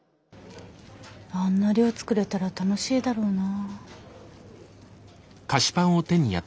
あんな量作れたら楽しいだろうな。